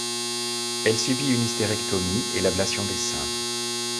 Elle subit une hystérectomie et l'ablation des seins.